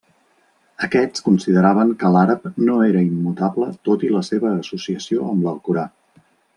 Aquests consideraven que l'àrab no era immutable tot i la seva associació amb l'Alcorà.